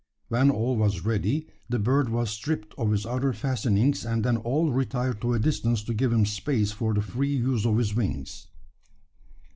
When all was ready, the bird was stripped of his other fastenings; and then all retired to a distance to give him space for the free use of his wings.